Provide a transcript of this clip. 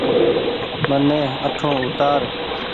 مني اٺون اوتآر ۔